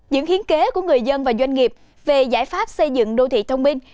những hiến kế của người dân và doanh nghiệp về giải pháp xây dựng đô thị thông minh